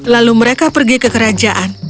lalu mereka pergi ke kerajaan